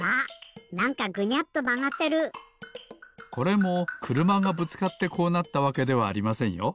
これもくるまがぶつかってこうなったわけではありませんよ。